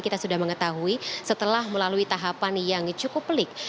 kita sudah mengetahui setelah melalui tahapan yang cukup pelik